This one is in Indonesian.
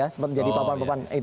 sempat menjadi papan papan